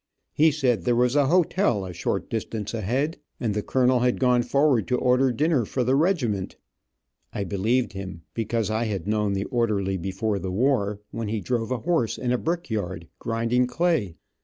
He said there was a hotel a short distance ahead, and the colonel had gone forward to order dinner for the regiment. I believed him, because I had known the orderly before the war, when he drove a horse in a brickyard, grinding clay.